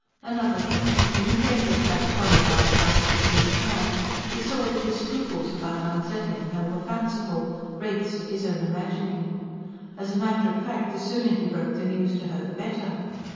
Another thing: when he came to study Polly by the light of his new plan, he saw that his scruples about unsettling her were fanciful wraiths of his own imagining. As a matter of fact, the sooner he broke the news to her the better.